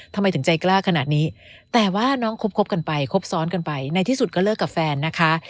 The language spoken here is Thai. ทำไมถึงใจกล้าขนาดนี้แต่ว่าน้องคบกันไปครบซ้อนกันไปในที่สุดก็เลิกกับแฟนนะคะ